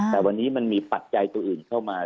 แต่วันนี้มันมีปัจจัยตัวอื่นเข้ามา